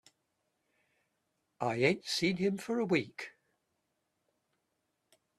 I ain't seen him for a week.